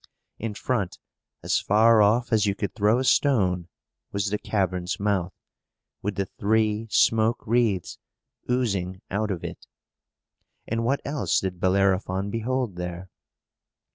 In front, as far off as you could throw a stone, was the cavern's mouth, with the three smoke wreaths oozing out of it. And what else did Bellerophon behold there?